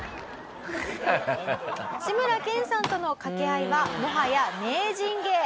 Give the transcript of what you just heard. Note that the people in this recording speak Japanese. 志村けんさんとのかけ合いはもはや名人芸。